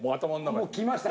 もうきました！